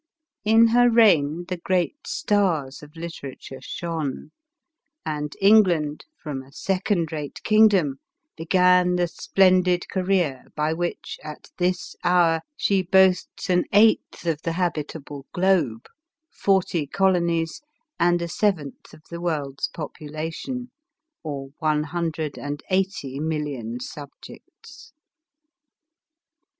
In her reign, the greft stars of literature shone, and England, from a second rate kingdom, began the splendid career by which, at this hour, she boasts an eighth of the habitable globe, forty colonies, and a seventh of the world's population^ or one hundred and eighty million subjects.